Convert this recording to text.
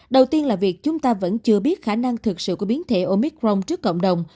đầu tiên là việc chúng ta vẫn chưa biết khả năng thực sự của biến thể omicron trước cộng đồng